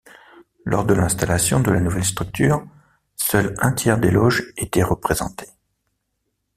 Lors de l'installation de la nouvelle structure, seul un tiers des loges était représenté.